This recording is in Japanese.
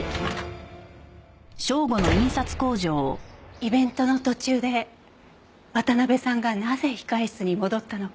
イベントの途中で渡辺さんがなぜ控室に戻ったのか。